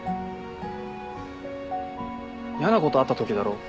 嫌なことあったときだろ？